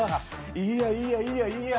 いいやいいやいいやいいや！